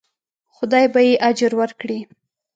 خدای به یې اجر ورکړي.